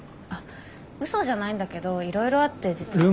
あっ嘘じゃないんだけどいろいろあって実は。